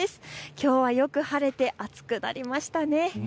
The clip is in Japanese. きょうはよく晴れて暑くなりましたね。